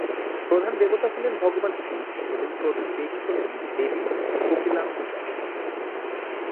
প্রধান দেবতা হলেন ভগবান শিব এবং প্রধান দেবী হলেন দেবী কোকিলামবিগাই।